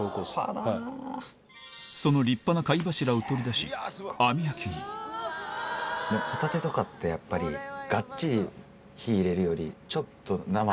その立派な貝柱を取り出し網焼きにホタテとかってやっぱりがっちり火入れるより。